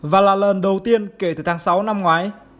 và là lần đầu tiên kể từ tháng sáu năm ngoái